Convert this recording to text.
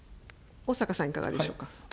逢坂さん、いかがでしょうか。